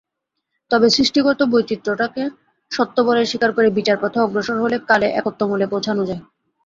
তবে সৃষ্টিগত বৈচিত্র্যটাকে সত্য বলে স্বীকার করে বিচারপথে অগ্রসর হলে কালে একত্বমূলে পৌঁছান যায়।